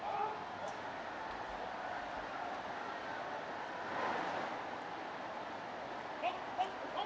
ขอบคุณทุกคน